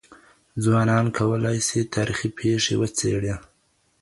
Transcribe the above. ځوانان کولای سي تاريخي پېښې وڅېړي.